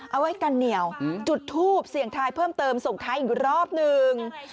เอาไว้กันเหนียวจุดทูปเสี่ยงทายเพิ่มเติมส่งท้ายอีกรอบหนึ่ง